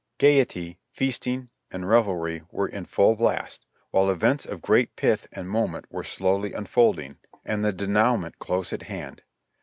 Gaiety, feasting and revelry were in full blast, while events of great pith and moment were slowly unfolding, and the denouement close at hand.